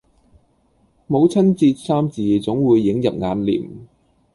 母親節三字總會映入眼廉